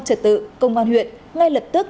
trật tự công an huyện ngay lập tức